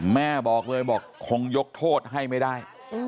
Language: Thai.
แม่บอกเลยบอกคงยกโทษให้ไม่ได้